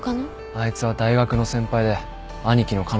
あいつは大学の先輩で兄貴の彼女。